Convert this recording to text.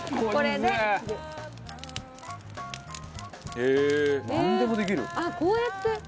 仲：あっ、こうやって。